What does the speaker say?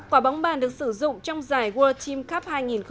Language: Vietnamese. quả bóng bàn được sử dụng trong giải world tim cup hai nghìn một mươi tám